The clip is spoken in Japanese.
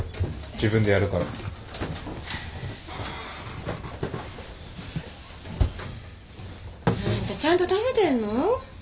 自分でやるから。あんたちゃんと食べてんの？